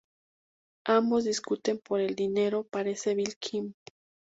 Ambos discuten por el dinero, parece Bill Kim.